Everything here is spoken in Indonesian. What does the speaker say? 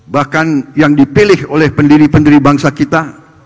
bahkan yang dipilih oleh pendiri pendiri bangsa kita